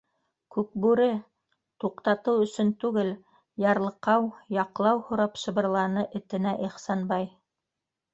Күкбүре... - туҡтатыу өсөн түгел, ярлыҡау, яҡлау һорап шыбырланы этенә Ихсанбай.